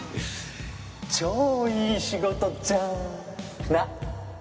超いい仕事じゃんなっ